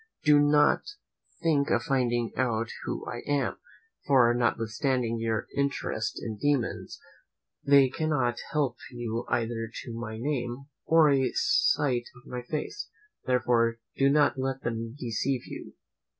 "Do not think of finding out who I am, for, notwithstanding your interest in demons, they cannot help you either to my name, or a sight of my face; therefore, do not let them deceive you.